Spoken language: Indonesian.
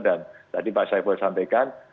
dan tadi pak syaiful sampaikan